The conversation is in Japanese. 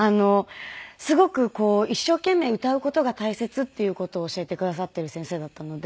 すごくこう一生懸命歌う事が大切っていう事を教えてくださっている先生だったので。